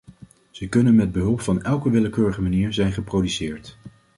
Ze kunnen met behulp van elke willekeurige manier zijn geproduceerd.